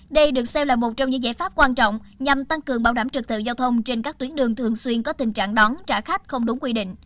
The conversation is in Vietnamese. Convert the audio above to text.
đây được xem là một trong những giải pháp quan trọng nhằm tăng cường bảo đảm trực tự giao thông trên các tuyến đường thường xuyên có tình trạng đón trả khách không đúng quy định